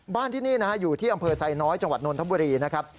ที่นี่นะฮะอยู่ที่อำเภอไซน้อยจังหวัดนทบุรีนะครับ